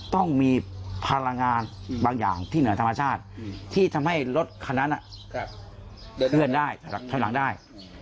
ต้องมีพลังงานบางอย่างที่เหนือธรรมชาติที่ทำให้รถคันนั้นเคลื่อนได้ถอยหลังได้